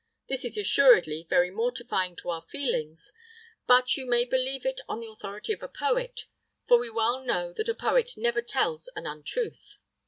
[III 2] This is assuredly very mortifying to our feelings; but you may believe it on the authority of a poet, for we well know that a poet never tells an untruth.